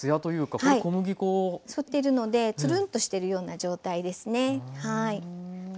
吸ってるのでつるんとしてるような状態ですね。